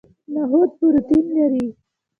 نخود پروتین لري